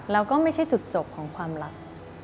แล้วก็ไม่ใช่จุดจบของความรัก